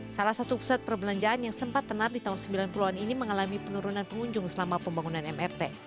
salah satu pusat perbelanjaan yang sempat tenar di tahun sembilan puluh an ini mengalami penurunan pengunjung selama pembangunan mrt